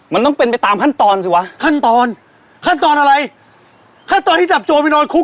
มันต้องเป็นไปตามขั้นตอนสิวะขั้นตอนขั้นตอนอะไรขั้นตอนที่จับโจรไปนอนคุก